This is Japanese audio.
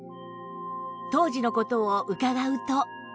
当時の事を伺うと